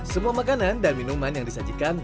semua makanan dan minuman yang disajikan